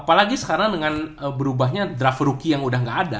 apalagi sekarang dengan berubahnya draft rookie yang udah gak ada